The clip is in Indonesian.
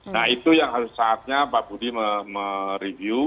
nah itu yang harus saatnya pak budi mereview